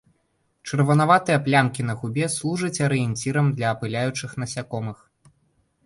Чырванаватыя плямкі на губе служаць арыенцірам для апыляючых насякомых.